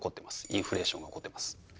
インフレーションが起こってます。